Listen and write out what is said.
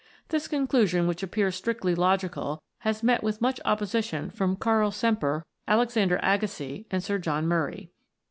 This conclusion, which appears strictly logical, has met with much opposition from Karl Semper, Alexander Agassiz, and Sir John Murray.